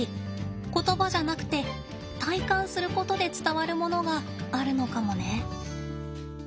言葉じゃなくて体感することで伝わるものがあるのかもね。